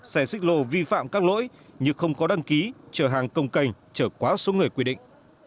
xe xích lồ vi phạm các lỗi nhưng không có đăng ký chở hàng công cành chở quá số người quy định